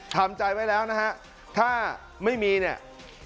ทำใจไว้แล้วนะฮะถ้าไม่มีเนี่ย